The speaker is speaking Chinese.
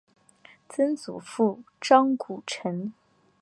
曾祖父张谷成。